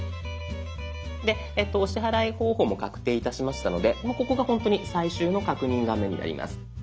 でお支払い方法も確定いたしましたのでもうここがほんとに最終の確認画面になります。